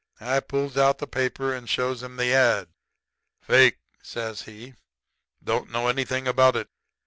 "I pulls out the paper and shows him the ad. "'Fake,' says he. 'Don't know anything about it.